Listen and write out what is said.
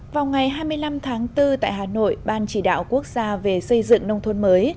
vào ngày hai mươi năm tháng bốn tại hà nội ban chỉ đạo quốc gia về xây dựng nông thôn mới